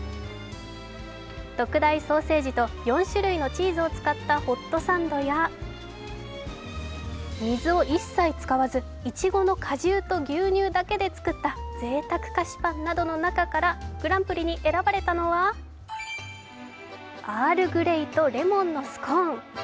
特大ソーセージと４種類のチーズを使ったホットサンドや水を一切使わずいちごの果汁と牛乳だけで作ったぜいたく菓子パンなどの中からグランプリに選ばれたのは、アールグレイとレモンのスコーン。